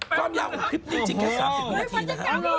ความยาวของคลิปนี้จริงแค่๓๐วินาทีนะฮะ